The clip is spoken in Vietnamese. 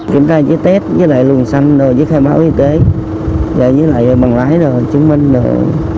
kiểm tra với tết với lại luồn xanh với khai báo y tế với lại bằng lấy rồi chứng minh rồi